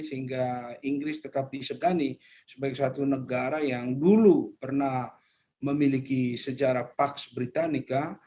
sehingga inggris tetap disegani sebagai suatu negara yang dulu pernah memiliki sejarah pax britannica